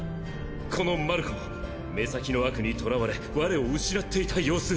このマルコ目先の悪にとらわれ我を失っていた様子。